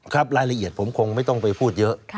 ครับรายละเอียดผมคงไม่ต้องไปพูดเยอะ